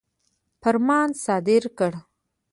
فرمان صادر کړ.